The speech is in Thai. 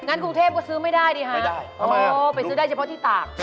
กรุงเทพก็ซื้อไม่ได้ดิฮะไม่ได้ไปซื้อได้เฉพาะที่ตาก